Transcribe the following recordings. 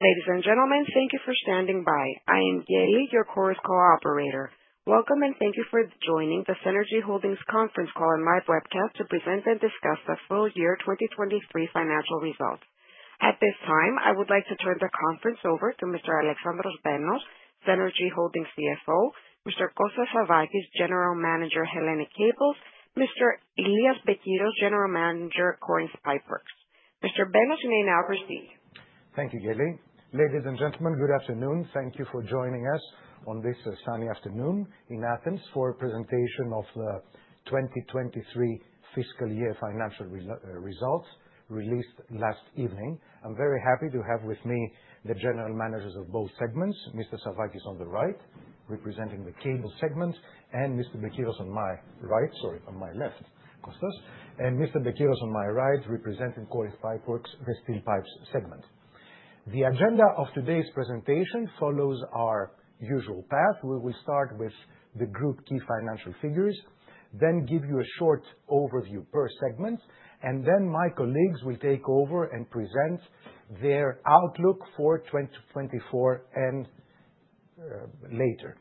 Ladies and gentlemen, thank you for standing by. I am Yeli, your call operator. Welcome and thank you for joining the Cenergy Holdings conference call and live webcast to present and discuss the full year 2023 financial results. At this time, I would like to turn the conference over to Mr. Alexandros Benos, Cenergy Holdings CFO, Mr. Konstantinos Savvatis, General Manager, Hellenic Cables, Mr. Ilias Bekiros, General Manager, Corinth Pipeworks. Mr. Benos, you may now proceed. Thank you, Yeli. Ladies and gentlemen, good afternoon. Thank you for joining us on this sunny afternoon in Athens for a presentation of the 2023 fiscal year financial results released last evening. I'm very happy to have with me the general managers of both segments. Mr. Savvatis on the right, representing the cable segment, and Mr. Bekiros on my right, sorry, on my left, Konstantinos. And Mr. Bekiros on my right, representing Corinth Pipeworks, the steel pipes segment. The agenda of today's presentation follows our usual path. We will start with the group key financial figures, then give you a short overview per segment, and then my colleagues will take over and present their outlook for 2024 and later.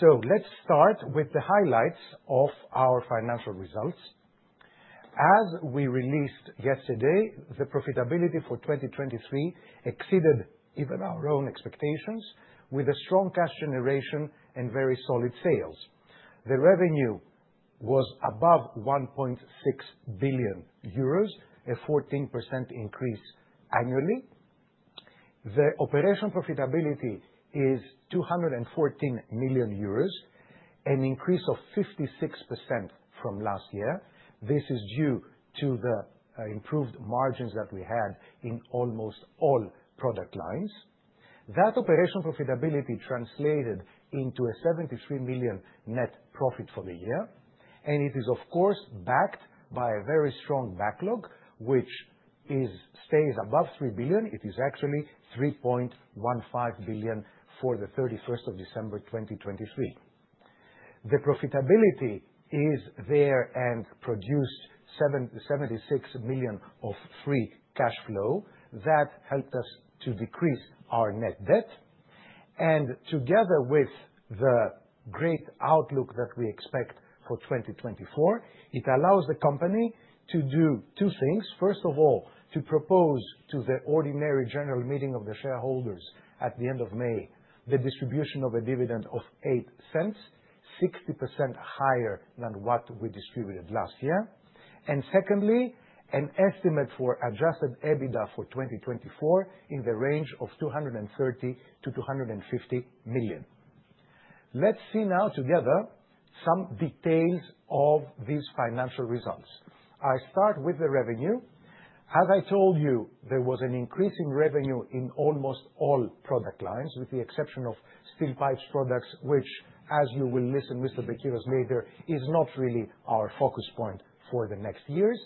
So let's start with the highlights of our financial results. As we released yesterday, the profitability for 2023 exceeded even our own expectations, with a strong cash generation and very solid sales. The revenue was above 1.6 billion euros, a 14% increase annually. The operational profitability is 214 million euros, an increase of 56% from last year. This is due to the improved margins that we had in almost all product lines. That operational profitability translated into a 73 million net profit for the year, and it is, of course, backed by a very strong backlog, which stays above 3 billion. It is actually 3.15 billion for the 31st of December 2023. The profitability is there and produced 76 million of free cash flow. That helped us to decrease our net debt. And together with the great outlook that we expect for 2024, it allows the company to do two things. First of all, to propose to the ordinary general meeting of the shareholders at the end of May the distribution of a dividend of 0.08, 60% higher than what we distributed last year, and secondly, an estimate for Adjusted EBITDA for 2024 in the range of 230 million-250 million. Let's see now together some details of these financial results. I start with the revenue. As I told you, there was an increase in revenue in almost all product lines, with the exception of steel pipes products, which, as you will hear, Mr. Bekiros later, is not really our focus point for the next years.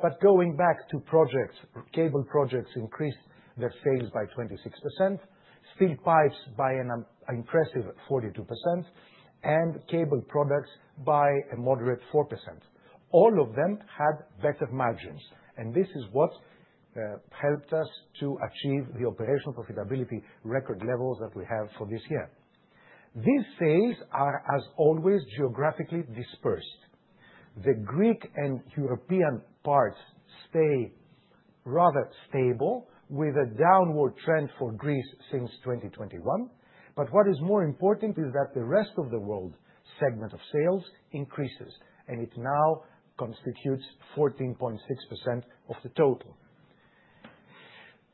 But going back to projects, cable projects increased their sales by 26%, steel pipes by an impressive 42%, and cable products by a moderate 4%. All of them had better margins, and this is what helped us to achieve the operational profitability record levels that we have for this year. These sales are, as always, geographically dispersed. The Greek and European parts stay rather stable, with a downward trend for Greece since 2021. But what is more important is that the rest of the world segment of sales increases, and it now constitutes 14.6% of the total.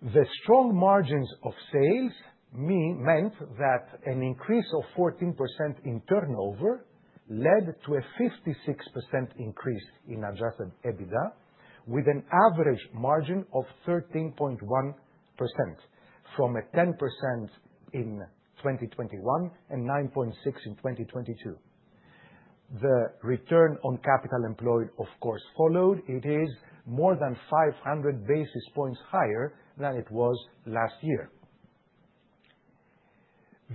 The strong margins of sales meant that an increase of 14% in turnover led to a 56% increase in Adjusted EBITDA, with an average margin of 13.1% from a 10% in 2021 and 9.6% in 2022. The Return on Capital Employed, of course, followed. It is more than 500 basis points higher than it was last year.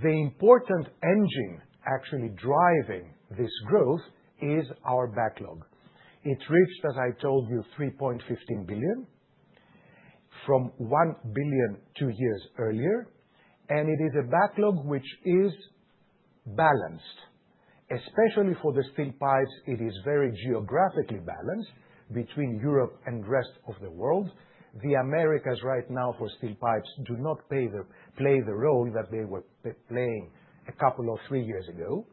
The important engine actually driving this growth is our backlog. It reached, as I told you, 3.15 billion from 1 billion two years earlier, and it is a backlog which is balanced, especially for the steel pipes. It is very geographically balanced between Europe and the rest of the world. The Americas right now for steel pipes do not play the role that they were playing a couple or three years ago.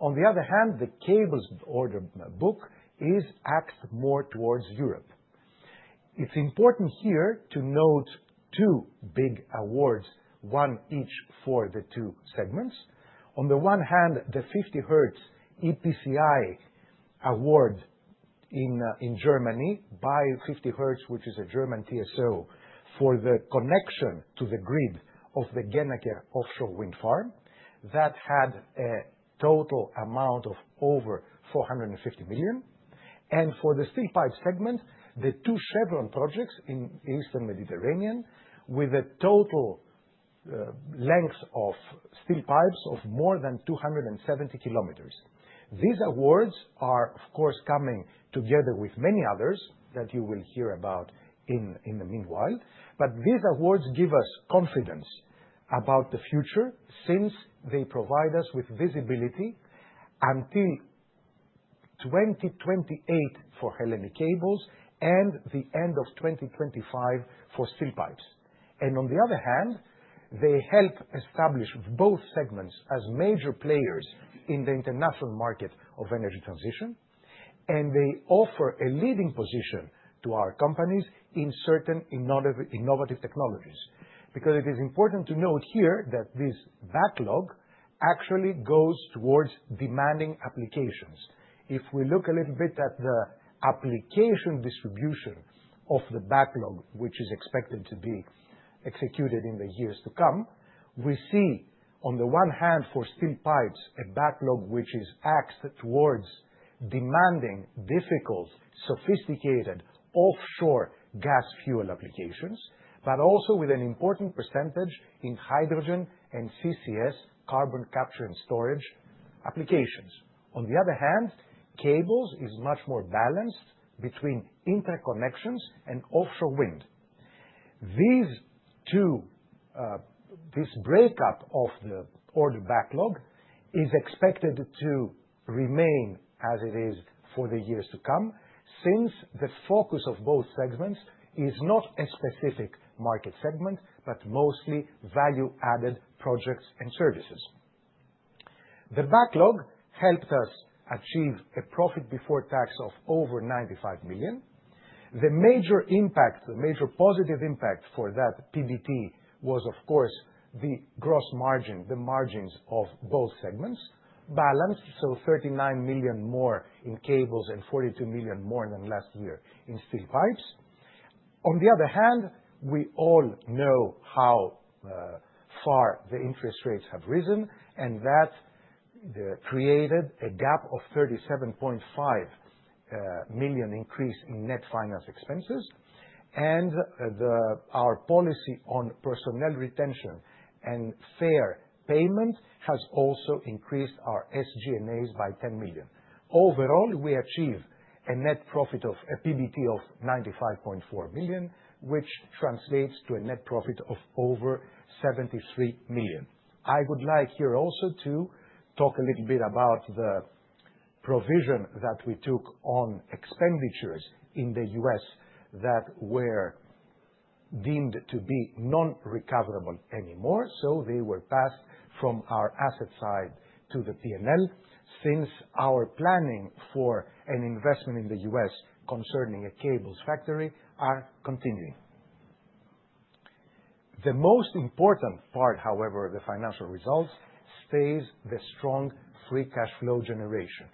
On the other hand, the cables order book acts more towards Europe. It's important here to note two big awards, one each for the two segments. On the one hand, the 50Hertz EPCI award in Germany by 50Hertz, which is a German TSO for the connection to the grid of the Gennaker offshore wind farm that had a total amount of over 450 million. For the steel pipe segment, the two Chevron projects in the Eastern Mediterranean with a total length of steel pipes of more than 270 kilometers. These awards are, of course, coming together with many others that you will hear about in the meanwhile, but these awards give us confidence about the future since they provide us with visibility until 2028 for Hellenic Cables and the end of 2025 for steel pipes. On the other hand, they help establish both segments as major players in the international market of energy transition, and they offer a leading position to our companies in certain innovative technologies. Because it is important to note here that this backlog actually goes towards demanding applications. If we look a little bit at the application distribution of the backlog, which is expected to be executed in the years to come, we see on the one hand for steel pipes a backlog which is acts towards demanding, difficult, sophisticated offshore gas fuel applications, but also with an important percentage in hydrogen and CCS, Carbon Capture and Storage applications. On the other hand, cables is much more balanced between interconnections and offshore wind. This breakdown of the order backlog is expected to remain as it is for the years to come since the focus of both segments is not a specific market segment, but mostly value-added projects and services. The backlog helped us achieve a profit before tax of over 95 million. The major impact, the major positive impact for that PBT was, of course, the gross margin, the margins of both segments balanced, so 39 million more in cables and 42 million more than last year in steel pipes. On the other hand, we all know how far the interest rates have risen and that created a gap of 37.5 million increase in net finance expenses. Our policy on personnel retention and fair payment has also increased our SG&As by 10 million. Overall, we achieve a net profit of a PBT of 95.4 million, which translates to a net profit of over 73 million. I would like here also to talk a little bit about the provision that we took on expenditures in the U.S. that were deemed to be non-recoverable anymore, so they were passed from our asset side to the P&L since our planning for an investment in the U.S. concerning a cables factory are continuing. The most important part, however, of the financial results stays the strong free cash flow generation.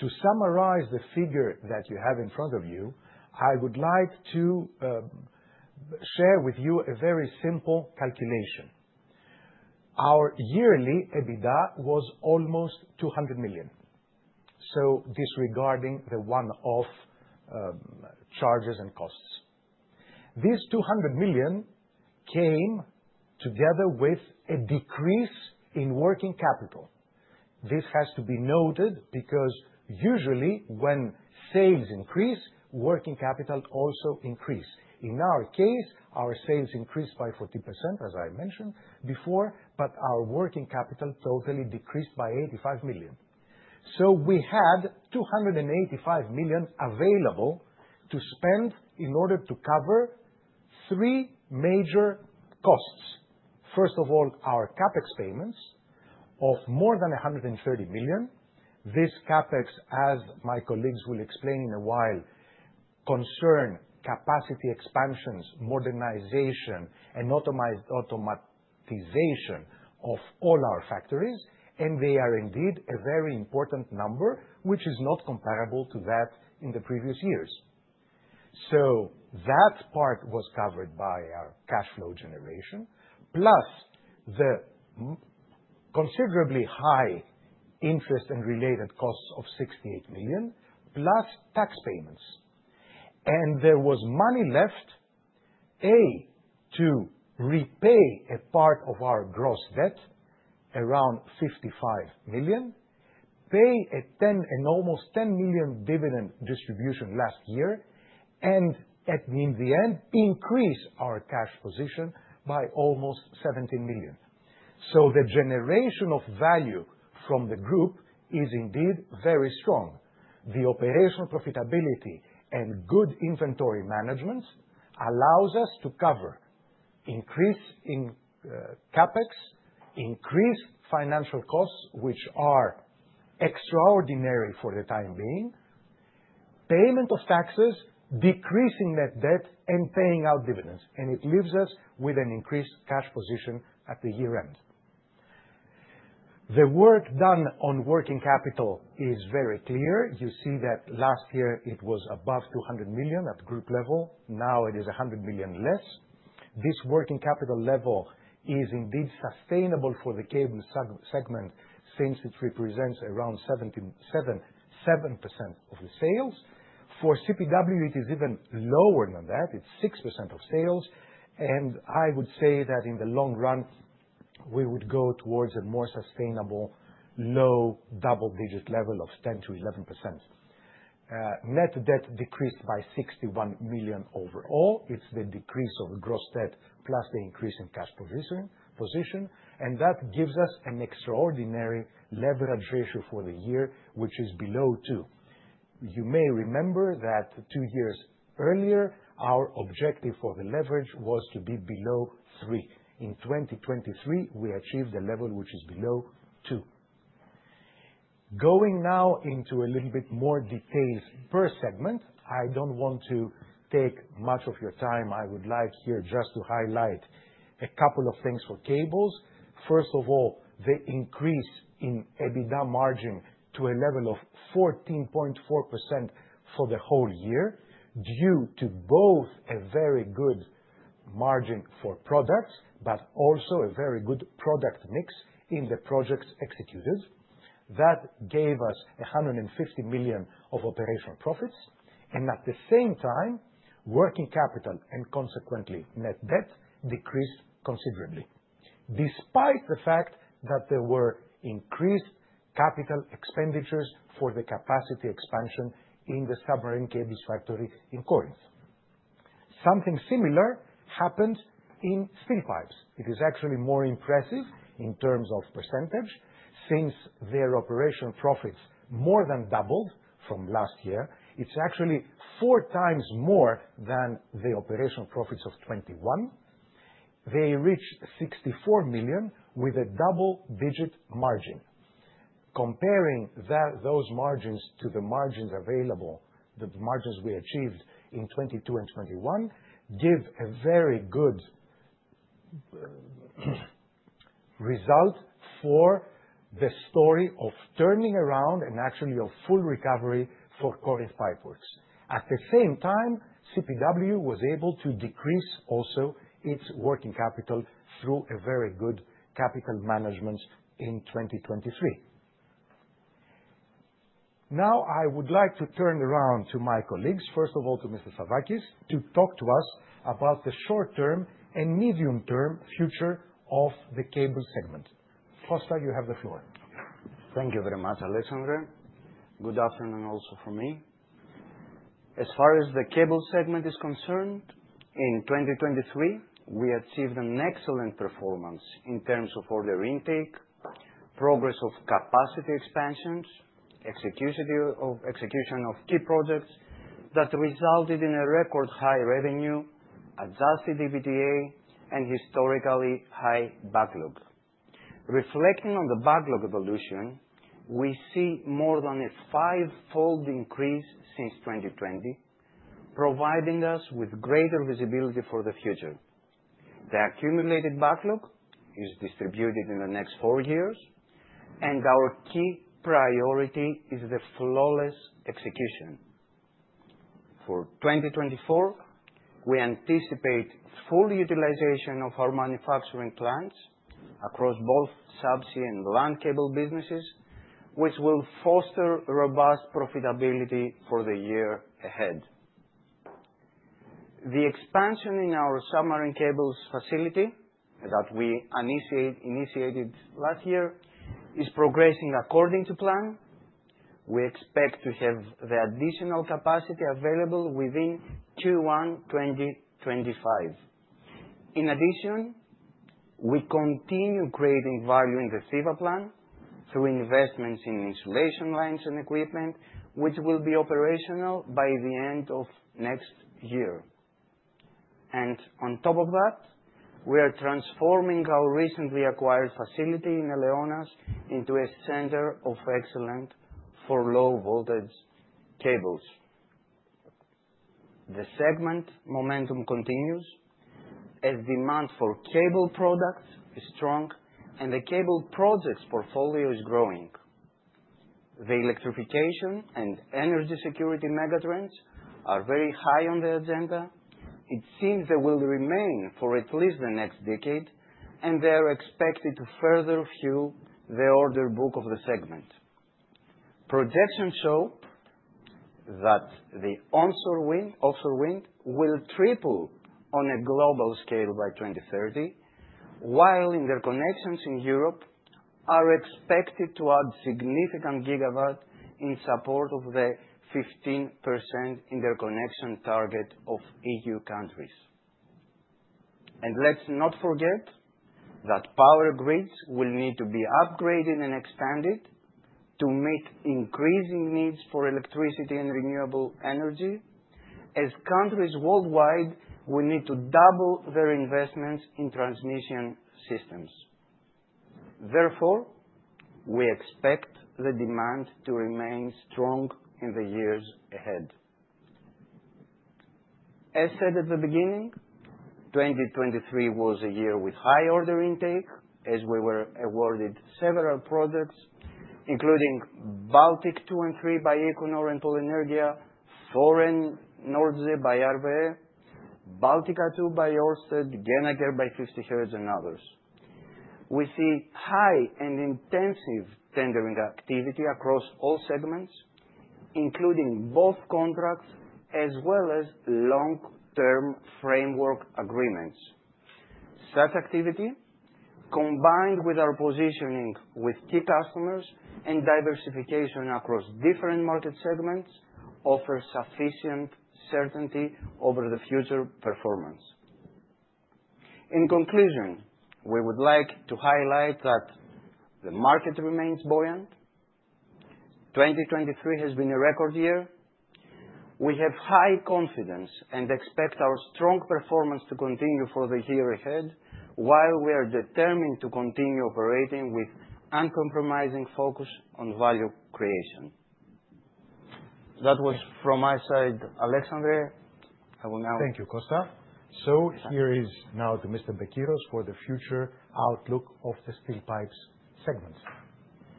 To summarize the figure that you have in front of you, I would like to share with you a very simple calculation. Our yearly EBITDA was almost 200 million, so disregarding the one-off charges and costs. These 200 million came together with a decrease in working capital. This has to be noted because usually when sales increase, working capital also increases. In our case, our sales increased by 40%, as I mentioned before, but our working capital totally decreased by 85 million. So we had 285 million available to spend in order to cover three major costs. First of all, our CapEx payments of more than 130 million. This CapEx, as my colleagues will explain in a while, concerns capacity expansions, modernization, and automation of all our factories, and they are indeed a very important number, which is not comparable to that in the previous years. So that part was covered by our cash flow generation, plus the considerably high interest and related costs of 68 million, plus tax payments. And there was money left to repay a part of our gross debt, around 55 million, pay an almost 10 million dividend distribution last year, and in the end, increase our cash position by almost 17 million. So the generation of value from the group is indeed very strong. The operational profitability and good inventory management allows us to cover increase in CapEx, increase financial costs, which are extraordinary for the time being, payment of taxes, decreasing net debt, and paying out dividends. And it leaves us with an increased cash position at the year end. The work done on working capital is very clear. You see that last year it was above 200 million at group level. Now it is 100 million less. This working capital level is indeed sustainable for the cables segment since it represents around 77% of the sales. For CPW, it is even lower than that. It's 6% of sales. And I would say that in the long run, we would go towards a more sustainable low double-digit level of 10%-11%. net debt decreased by 61 million overall. It's the decrease of gross debt plus the increase in cash position. And that gives us an extraordinary leverage ratio for the year, which is below two. You may remember that two years earlier, our objective for the leverage was to be below three. In 2023, we achieved a level which is below two. Going now into a little bit more details per segment, I don't want to take much of your time. I would like here just to highlight a couple of things for cables. First of all, the increase in EBITDA margin to a level of 14.4% for the whole year due to both a very good margin for products, but also a very good product mix in the projects executed. That gave us 150 million of operational profits. And at the same time, working capital and consequently net debt decreased considerably, despite the fact that there were increased capital expenditures for the capacity expansion in the submarine cables factory in Corinth. Something similar happened in steel pipes. It is actually more impressive in terms of percentage since their operational profits more than doubled from last year. It's actually four times more than the operational profits of 2021. They reached 64 million with a double-digit margin. Comparing those margins to the margins available, the margins we achieved in 2022 and 2021 give a very good result for the story of turning around and actually of full recovery for Corinth Pipeworks. At the same time, CPW was able to decrease also its working capital through a very good capital management in 2023. Now I would like to turn around to my colleagues, first of all to Mr. Savvatis, to talk to us about the short-term and medium-term future of the cable segment. Costa, you have the floor. Thank you very much, Alexandros. Good afternoon also for me. As far as the cable segment is concerned, in 2023, we achieved an excellent performance in terms of order intake, progress of capacity expansions, execution of key projects that resulted in a record high revenue, Adjusted EBITDA, and historically high backlog. Reflecting on the backlog evolution, we see more than a five-fold increase since 2020, providing us with greater visibility for the future. The accumulated backlog is distributed in the next four years, and our key priority is the flawless execution. For 2024, we anticipate full utilization of our manufacturing plants across both subsea and land cable businesses, which will foster robust profitability for the year ahead. The expansion in our submarine cables facility that we initiated last year is progressing according to plan. We expect to have the additional capacity available within Q1 2025. In addition, we continue creating value in the Thiva plant through investments in insulation lines and equipment, which will be operational by the end of next year. And on top of that, we are transforming our recently acquired facility in Eleonas into a center of excellence for low-voltage cables. The segment momentum continues as demand for cable products is strong and the cable projects portfolio is growing. The electrification and energy security megatrends are very high on the agenda. It seems they will remain for at least the next decade, and they are expected to further fuel the order book of the segment. Projections show that the offshore wind will triple on a global scale by 2030, while interconnections in Europe are expected to add significant gigawatts in support of the 15% interconnection target of EU countries, and let's not forget that power grids will need to be upgraded and expanded to meet increasing needs for electricity and renewable energy, as countries worldwide will need to double their investments in transmission systems. Therefore, we expect the demand to remain strong in the years ahead. As said at the beginning, 2023 was a year with high order intake as we were awarded several projects, including Baltic 2 and 3 by Equinor and Polenergia, Thor by RWE, Baltica 2 by Ørsted, Gennaker by 50Hertz, and others. We see high and intensive tendering activity across all segments, including both contracts as well as long-term framework agreements. Such activity, combined with our positioning with key customers and diversification across different market segments, offers sufficient certainty over the future performance. In conclusion, we would like to highlight that the market remains buoyant. 2023 has been a record year. We have high confidence and expect our strong performance to continue for the year ahead, while we are determined to continue operating with uncompromising focus on value creation. That was from my side, Alexandros. I will now. Thank you, Costa. So here is now to Mr. Bekiros for the future outlook of the steel pipes segment.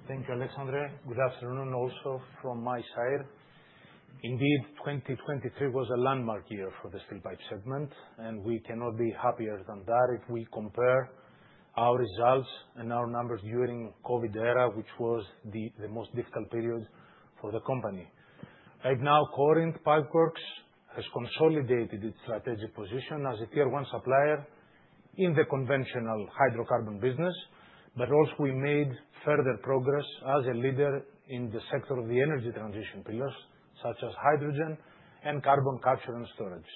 Thank you, Alexandros. Good afternoon also from my side. Indeed, 2023 was a landmark year for the steel pipe segment, and we cannot be happier than that if we compare our results and our numbers during the COVID era, which was the most difficult period for the company. Right now, Corinth Pipeworks has consolidated its strategic position as a tier one supplier in the conventional hydrocarbon business, but also we made further progress as a leader in the sector of the energy transition pillars, such as hydrogen and carbon capture and storage.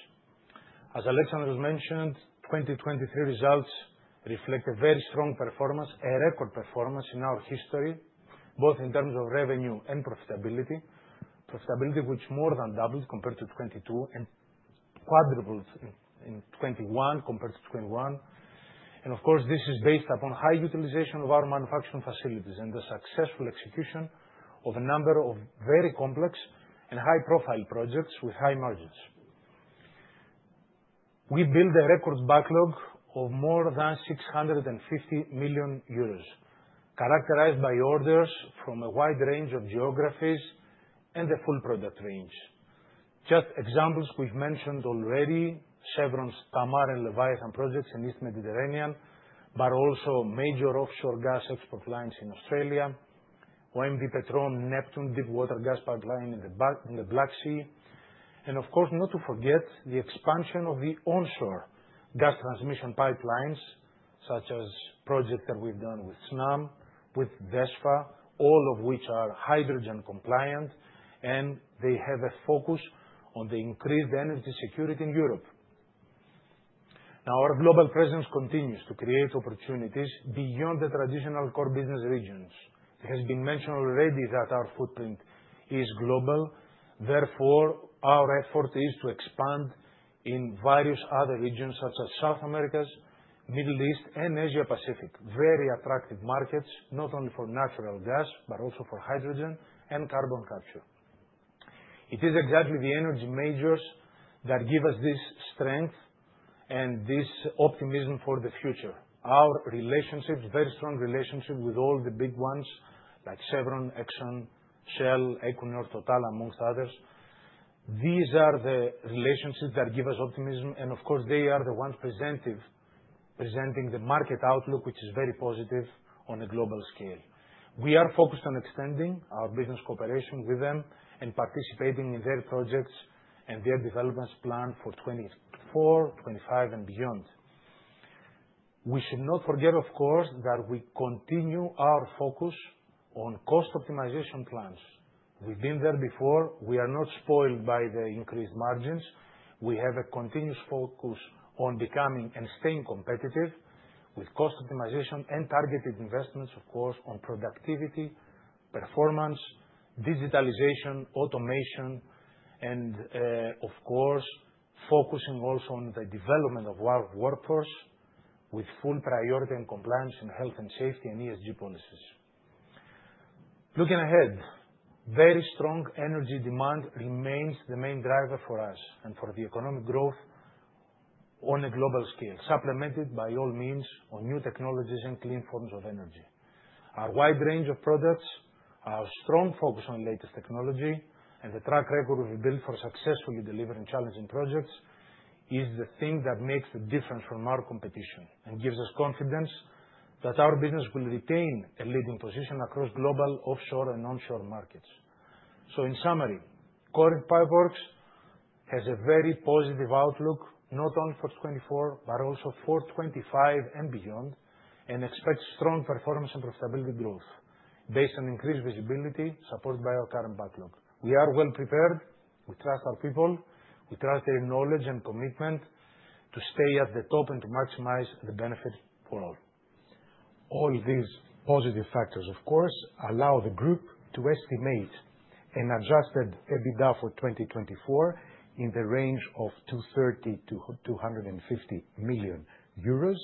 As Alexandros has mentioned, 2023 results reflect a very strong performance, a record performance in our history, both in terms of revenue and profitability, profitability which more than doubled compared to 2022 and quadrupled in 2021 compared to 2021. Of course, this is based upon high utilization of our manufacturing facilities and the successful execution of a number of very complex and high-profile projects with high margins. We built a record backlog of more than 650 million euros characterized by orders from a wide range of geographies and the full product range. Just examples we've mentioned already: Chevron's Tamar and Leviathan projects in Eastern Mediterranean, but also major offshore gas export lines in Australia, OMV Petrom Neptun Deep water gas pipeline in the Black Sea. And of course, not to forget the expansion of the onshore gas transmission pipelines, such as the project that we've done with Snam, with DESFA, all of which are hydrogen compliant, and they have a focus on the increased energy security in Europe. Now, our global presence continues to create opportunities beyond the traditional core business regions. It has been mentioned already that our footprint is global. Therefore, our effort is to expand in various other regions, such as South America, the Middle East, and Asia-Pacific. Very attractive markets, not only for natural gas, but also for hydrogen and carbon capture. It is exactly the energy majors that give us this strength and this optimism for the future. Our relationships, very strong relationships with all the big ones like Chevron, Exxon, Shell, Equinor, Total, amongst others. These are the relationships that give us optimism. And of course, they are the ones presenting the market outlook, which is very positive on a global scale. We are focused on extending our business cooperation with them and participating in their projects and their development plan for 2024, 2025, and beyond. We should not forget, of course, that we continue our focus on cost optimization plans. We've been there before. We are not spoiled by the increased margins. We have a continuous focus on becoming and staying competitive with cost optimization and targeted investments, of course, on productivity, performance, digitalization, automation, and of course, focusing also on the development of our workforce with full priority and compliance in health and safety and ESG policies. Looking ahead, very strong energy demand remains the main driver for us and for the economic growth on a global scale, supplemented by all means on new technologies and clean forms of energy. Our wide range of products, our strong focus on the latest technology, and the track record we've built for successfully delivering challenging projects is the thing that makes the difference from our competition and gives us confidence that our business will retain a leading position across global offshore and onshore markets. In summary, Corinth Pipeworks has a very positive outlook not only for 2024, but also for 2025 and beyond, and expects strong performance and profitability growth based on increased visibility supported by our current backlog. We are well prepared. We trust our people. We trust their knowledge and commitment to stay at the top and to maximize the benefit for all. All these positive factors, of course, allow the group to estimate an Adjusted EBITDA for 2024 in the range of 230-250 million euros.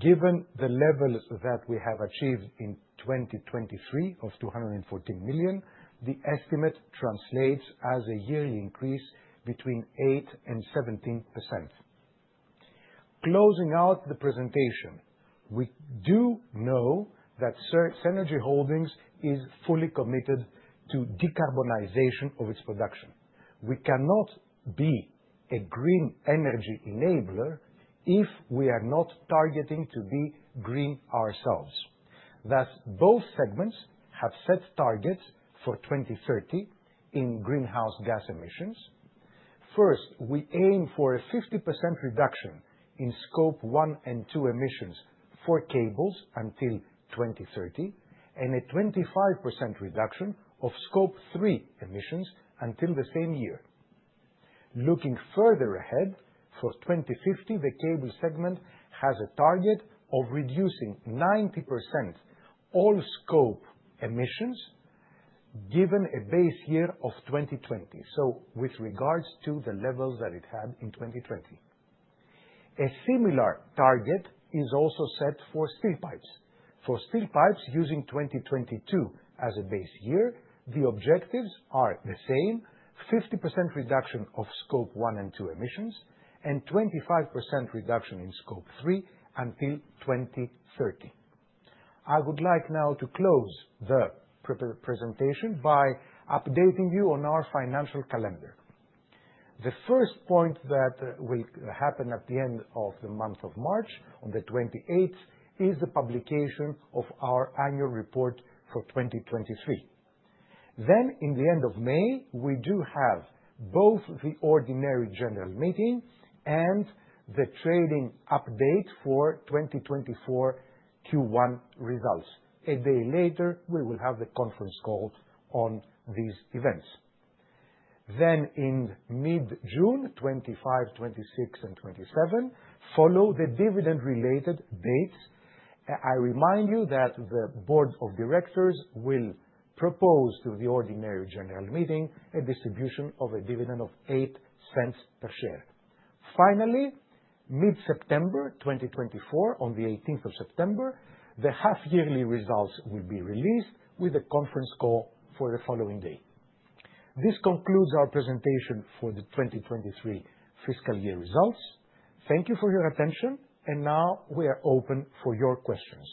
Given the levels that we have achieved in 2023 of 214 million, the estimate translates as a yearly increase between 8% and 17%. Closing out the presentation, we do know that Cenergy Holdings is fully committed to decarbonization of its production. We cannot be a green energy enabler if we are not targeting to be green ourselves. Thus, both segments have set targets for 2030 in greenhouse gas emissions. First, we aim for a 50% reduction in Scope 1 and 2 emissions for cables until 2030 and a 25% reduction of Scope 3 emissions until the same year. Looking further ahead for 2050, the cable segment has a target of reducing 90% all Scope emissions given a base year of 2020, so with regards to the levels that it had in 2020. A similar target is also set for steel pipes. For steel pipes using 2022 as a base year, the objectives are the same: 50% reduction of Scope 1 and 2 emissions and 25% reduction in Scope 3 until 2030. I would like now to close the presentation by updating you on our financial calendar. The first point that will happen at the end of the month of March, on the 28th, is the publication of our annual report for 2023. Then, in the end of May, we do have both the ordinary general meeting and the trading update for 2024 Q1 results. A day later, we will have the conference call on these events. Then, in mid-June, 25, 26, and 2027, follow the dividend-related dates. I remind you that the board of directors will propose to the ordinary general meeting a distribution of a dividend of 0.08 per share. Finally, mid-September 2024, on the 18th of September, the half-yearly results will be released with a conference call for the following day. This concludes our presentation for the 2023 fiscal year results. Thank you for your attention, and now we are open for your questions.